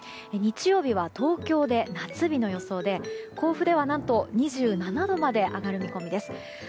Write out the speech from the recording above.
日曜日は東京で夏日の予想で甲府では何と２７度まで上がる見込みです。